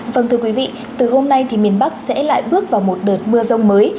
vâng thưa quý vị từ hôm nay thì miền bắc sẽ lại bước vào một đợt mưa rông mới